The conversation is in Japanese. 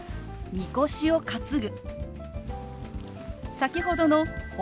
「みこしを担ぐ」。